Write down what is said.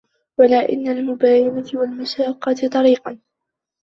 وَلَا إلَى الْمُبَايَنَةِ وَالْمُشَاقَّةِ طَرِيقًا